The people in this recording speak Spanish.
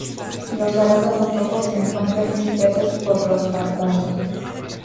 Los arándanos rojos se encuentran dispersos por los pantanos.